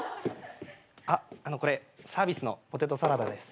これサービスのポテトサラダです。